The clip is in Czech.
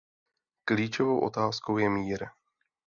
Klíčovou otázkou je mír.